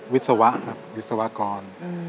วิศวะครับวิศวกร